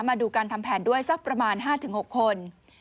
มาดูการทำแผนด้วยสักประมาณ๕๖คน